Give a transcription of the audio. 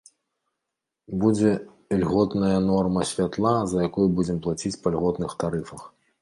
Будзе льготная норма святла, за якую будзем плаціць па льготных тарыфах.